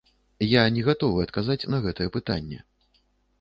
Я не гатовы адказаць на гэтае пытанне.